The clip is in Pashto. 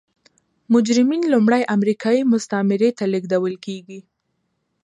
مجرمین لومړی امریکايي مستعمرې ته لېږدول کېدل.